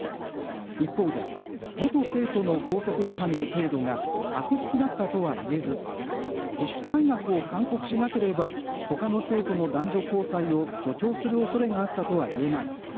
一方で元生徒の校則違反の程度が悪質だったとはいえず自主退学を勧告しなければほかの生徒の男女交際を助長するおそれがあったとはいえない。